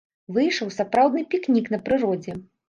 Выйшаў сапраўдны пікнік на прыродзе.